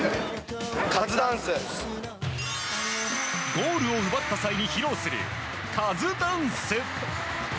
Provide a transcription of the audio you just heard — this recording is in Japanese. ゴールを奪った際に披露するカズダンス。